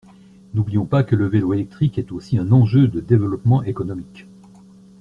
N’oublions pas que le vélo électrique est aussi un enjeu de développement économique.